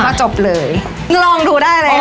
ก็จบเลยลองดูได้เลยค่ะ